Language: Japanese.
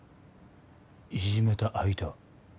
いじめた相手は？